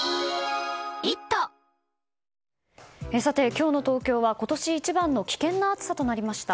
今日の東京は今年一番の危険な暑さとなりました。